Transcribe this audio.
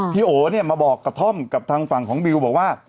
โอเนี่ยมาบอกกระท่อมกับทางฝั่งของบิวบอกว่า